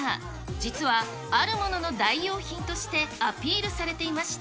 実はあるものの代用品としてアピールされていました。